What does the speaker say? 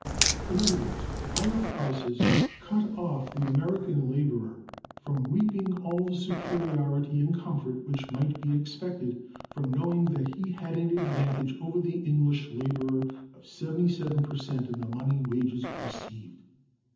In other words, higher prices cut off the American laborer from reaping all the superiority in comfort which might be expected from knowing that he had an advantage over the English laborer of 77 per cent in the money wages received.